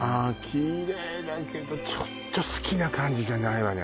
きれいだけどちょっと好きな感じじゃないわね